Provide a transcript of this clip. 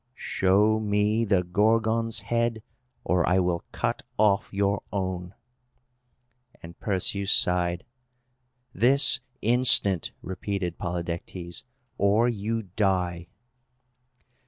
"Show me the Gorgon's head, or I will cut off your own!" And Perseus sighed. "This instant," repeated Polydectes, "or you die!"